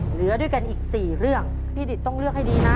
เหลือด้วยกันอีก๔เรื่องพี่ดิตต้องเลือกให้ดีนะ